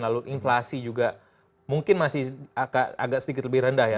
lalu inflasi juga mungkin masih agak sedikit lebih rendah ya